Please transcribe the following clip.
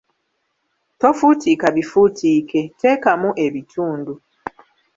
Tofuutiika bifuutiike, teekamu ebitundu.